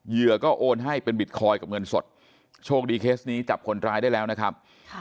เหยื่อก็โอนให้เป็นบิตคอยน์กับเงินสดโชคดีเคสนี้จับคนร้ายได้แล้วนะครับ